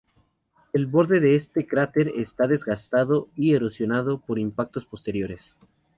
El borde de este cráter está desgastado y erosionado por impactos posteriores.